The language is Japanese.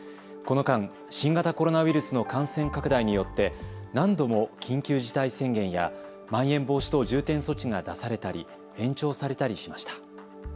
この間、新型コロナウイルスの感染拡大によって何度も緊急事態宣言やまん延防止等重点措置が出されたり延長されたりしました。